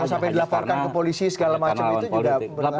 sampai dilaporkan ke polisi segala macam itu juga berpengaruh